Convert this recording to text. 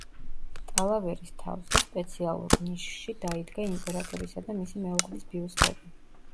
ტალავერის თავზე, სპეციალურ ნიშში, დაიდგა იმპერატორისა და მისი მეუღლის ბიუსტები.